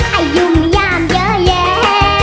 อายุยามเยอะแยะ